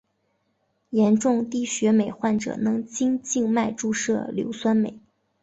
严重低血镁患者能经静脉注射硫酸镁。